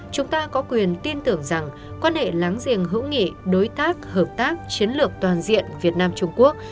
chúng ta có quyền tin tưởng rằng quan hệ láng giềng hữu nghị đối tác hợp tác chiến lược toàn diện việt nam trung quốc